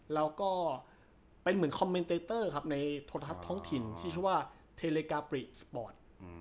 แล้วก็เป็นเหมือนคอมเมนเตอร์ครับในโทรทัศน์ท้องถิ่นที่ชื่อว่าเทเลกาปริสปอร์ต